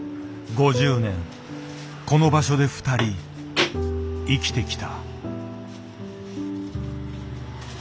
５０年この場所でふたり生きてきた。